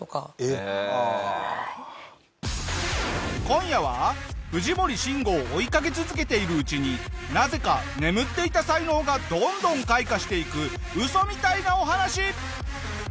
今夜は藤森慎吾を追いかけ続けているうちになぜか眠っていた才能がどんどん開花していくウソみたいなお話！